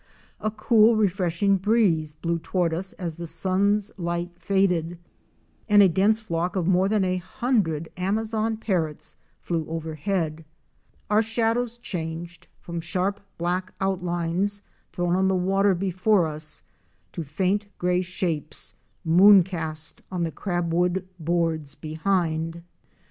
A cool refreshing breeze blew toward us as the sun's light faded and a dense flock of more than a hundred Amazon Parrots flew overhead. Our shadows changed from sharp black outlines thrown on the water before us to faint gray shapes, moon cast on the crab wood boards behind.